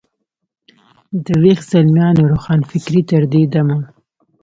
د ویښ زلمیانو روښانفکرۍ تر دې دمه.